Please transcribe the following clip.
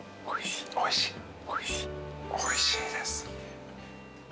おいしい？